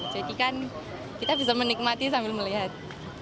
jadi kan kita bisa menikmati sambil melihat